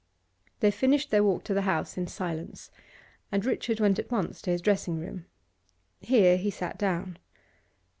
They finished their walk to the house in silence, and Richard went at once to his dressing room. Here he sat down.